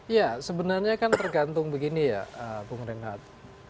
ya sebenarnya kan tergantung begini ya bung reinhardt